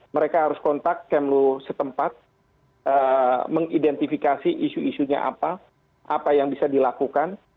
mereka harus kontak kemlu setempat mengidentifikasi isu isunya apa apa yang bisa dilakukan